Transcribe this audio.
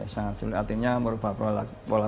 sangat sulit artinya merubah pola